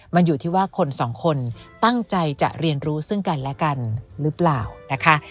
มันอยู่ที่ว่าคนสองคนตั้งใจจะเรียนรู้ซึ่งกันและกันหรือเปล่านะคะ